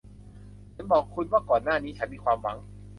ฉันบอกคุณว่าก่อนหน้านี้ฉันมีความหวัง